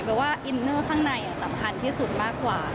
ว่าอินเนอร์ข้างในสำคัญที่สุดมากกว่า